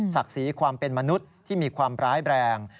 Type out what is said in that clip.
สีความเป็นมนุษย์ที่มีความร้ายแรง